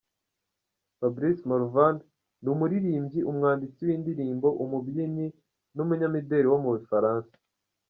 Fabrice Morvan: ni umuririmbyi, umwanditsi w’indirimbo, umubyinnyi n’umunyamideli wo mu Bufaransa.